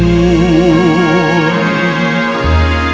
ไม่เร่รวนภาวะผวังคิดกังคัน